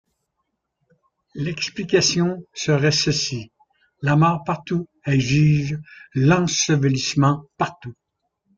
L’explication serait ceci: la mort partout exige l’ensevelissement partout.